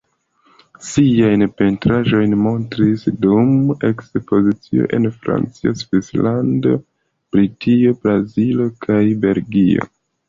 Siajn pentraĵojn montris dum ekspozicioj en Francio, Svislando, Britio, Brazilo kaj Belgio.